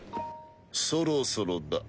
そろそろだ。